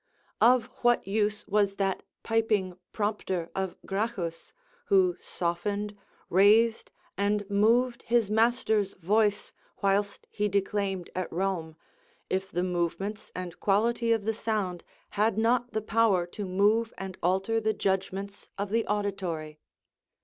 Of what use was that piping prompter of Gracchus, who softened, raised, and moved his master's voice whilst he declaimed at Rome, if the movements and quality of the sound had not the power to move and alter the judgments of the auditory?